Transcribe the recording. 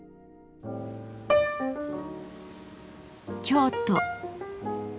京都。